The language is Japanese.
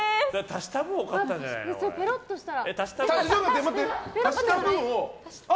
足した分が多かったんじゃないの？